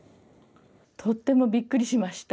とってもびっくりしました。